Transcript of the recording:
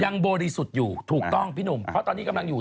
บริสุทธิ์อยู่ถูกต้องพี่หนุ่มเพราะตอนนี้กำลังอยู่